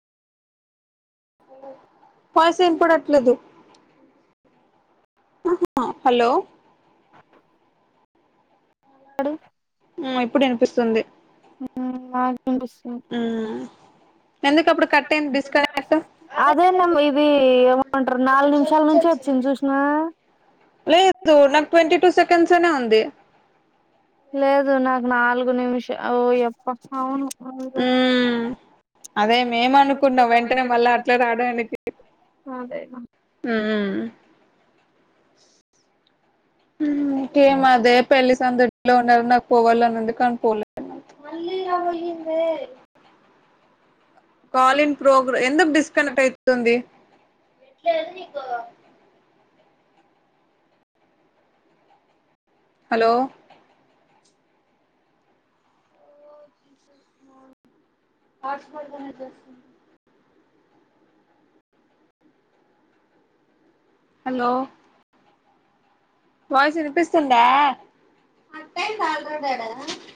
Voice వినపడట్లేదు. Hello అ [inaudible] ఆడు ఆ ఇప్పుడు వినిపిస్తుంది. మ [unintelligible] ఉమ్ ఎందుకుప్పుడు కట్ అయింది డిస్కనెక్ట్. అదేనమ్మ ఇది ఏమంటారు నాలుగు నిమిషాల నుంచి వచ్చింది చూసినా లేదు నాకు ట్వంటీ టూ సెకండ్స్నే అనే ఉంది. లేదు నాకు నాలుగు నిమిషం ఓ ఎప్ప అవును. అవ్వదండి. అదే మేమ అనుకున్నాం వెంటనే మళ్ళా అట్లా రాడానికి అదే ఉమ్ ఆ [inaudible] హ్మ్ కే అదే పెళ్లి సందడిలో ఉన్నారు నాకు పోవాలని ఉంది కానీ పోలేను. కాల్ ఇన్ ప్రోగ్రెస్ ఎందుకు డిస్కనెక్ట్ అయితుంది. Hello hotspot hello voice ఇనిపిస్తుందా